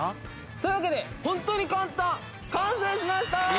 というわけでホントに簡単完成しました！